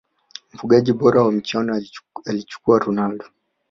mfungaji bora wa michuano alichukua ronaldo